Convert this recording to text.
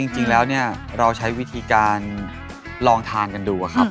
จริงแล้วเนี่ยเราใช้วิธีการลองทานกันดูครับ